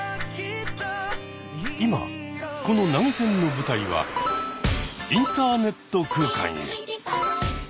今この投げ銭の舞台はインターネット空間へ。